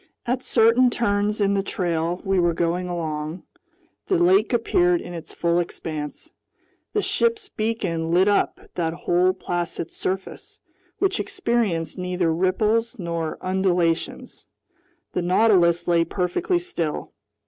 At certain turns in the trail we were going along, the lake appeared in its full expanse. The ship's beacon lit up that whole placid surface, which experienced neither ripples nor undulations. The Nautilus lay perfectly still.